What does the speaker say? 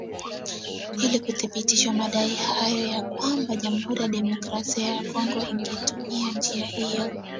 ili kuthibitisha madai hayo na kwamba Jamuhuri ya Demokrasia ya Kongo ingetumia njia hiyo